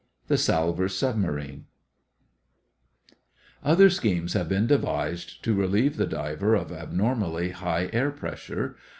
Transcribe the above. THE SALVOR'S SUBMARINE Other schemes have been devised to relieve the diver of abnormally high air pressure.